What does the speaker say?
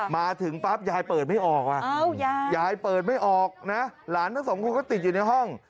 มาถึงปั๊บยายเปิดไม่ออกยายเปิดไม่ออกนะหลานทั้งสองคนก็ติดอยู่ในห้อง